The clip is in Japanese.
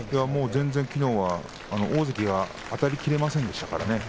全然きのうは大関があたりきれませんでしたからね。